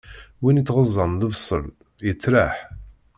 Win ittɣeẓẓen lebṣel, yettraḥ.